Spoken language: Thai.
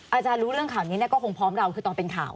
อาจารย์รู้เรื่องข่าวนี้ก็คงพร้อมเราคือตอนเป็นข่าว